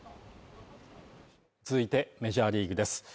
続いて、メジャーリーグです。